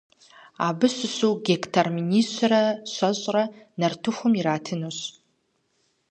Абы щыщу гектар минищэрэ щэщӏрэр нартыхум иратынущ.